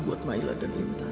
buat nailah dan intan